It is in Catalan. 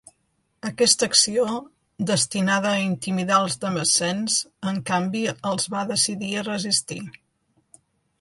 Aquesta acció, destinada a intimidar als damascens, en canvi els va decidir a resistir.